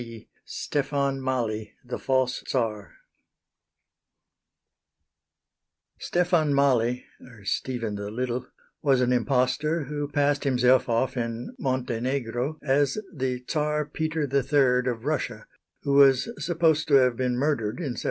C. "STEFAN MALI" THE FALSE CZAR Stefan Mali (Stephen the Little) was an impostor who passed himself off in Montenegro as the Czar Peter III of Russia, who was supposed to have been murdered in 1762.